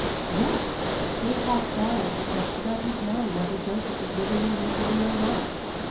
"Yes, she has sorrow, because she doesn't know whether Joseph is living in misery or not."